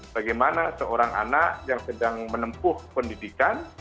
bagaimana seorang anak yang sedang menempuh pendidikan